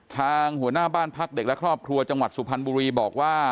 ทางหัวหน้าบ้านพักเด็กและครอบครัวจังหวัดสุพรรณบุรีบอกว่า